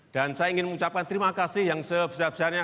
dan saya ingin mengucapkan terima kasih yang sebesar besarnya